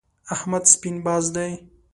احمد سپين باز دی.